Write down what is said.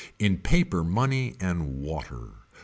In paper money and water.